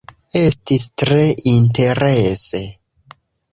Estis tre interese